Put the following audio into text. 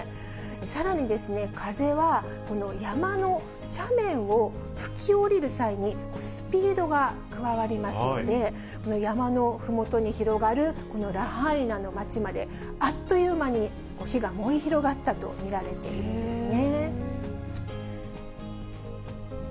さらに、風は山の斜面を吹き降りる際にスピードが加わりますので、山のふもとに広がるこのラハイナの街まで、あっという間に火が燃え広がったと見られているんですね。